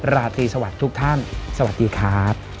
ราตรีสวัสดีทุกท่านสวัสดีครับ